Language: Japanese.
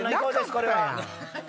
これは。